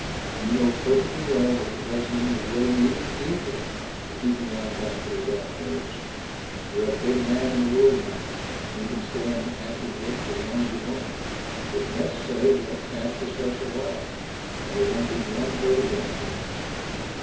"You know perfectly well that the President is willing, even eager, to keep you on past the retirement age. You're a big man in the world now. You can stay on the active list as long as you want. If necessary, he'll ask a special law, and there won't be one vote against it."